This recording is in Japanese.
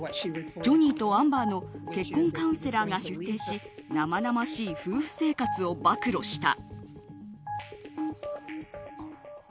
ジョニーとアンバーの結婚カウンセラーが出廷し生々しい夫婦生活を暴露した。